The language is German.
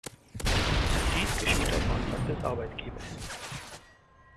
Dies geschieht auf Antrag des Arbeitgebers.